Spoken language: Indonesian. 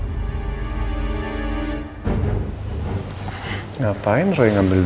gue tuh ngerasa ada sesuatu yang aneh denganmu tersebut